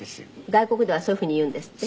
外国ではそういうふうに言うんですって？